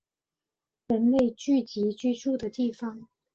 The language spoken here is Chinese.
人类聚集居住的地方